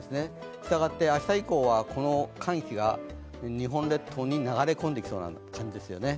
したがって明日以降はこの寒気が、日本列島に流れ込んできそうな感じですね。